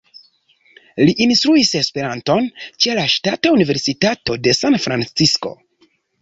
Li instruis Esperanton ĉe la Ŝtata Universitato de San-Francisko.